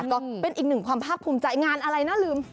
ก็เป็นอีกหนึ่งความภาคภูมิใจงานอะไรน่าลืม